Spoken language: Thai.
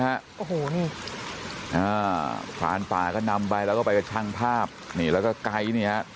อ่าผ่านป่าก็นำไปแล้วก็ไปกับช่างภาพนี่แล้วก็ไกนี่ฮะ